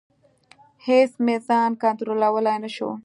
اېڅ مې ځان کنټرولولی نشو.